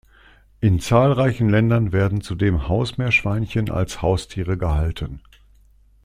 In zahlreichen Ländern werden zudem Hausmeerschweinchen als Haustiere gehalten.